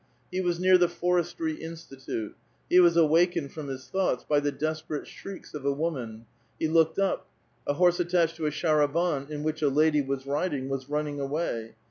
He ^was near the Forestry Institute ; he was awakened from his thoughts by the desperate shrieks of a woman ; he looked up : a horse attached to a sharaban^ in which a lad}' was rid ing, was running away.